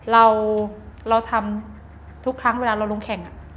เราทำทุกครั้งเวลาเราลงแข่ง